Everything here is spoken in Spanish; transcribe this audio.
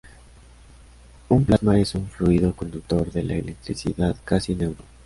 Un plasma es un fluido conductor de la electricidad casi neutro.